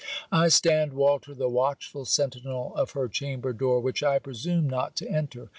I stand, Walter, the watchful sentinel of her chamber door, which I presume not to enter.